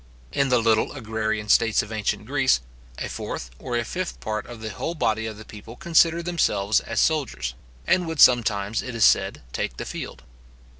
In the little agrarian states of ancient Greece, a fourth or a fifth part of the whole body of the people considered the themselves as soldiers, and would sometimes, it is said, take the field.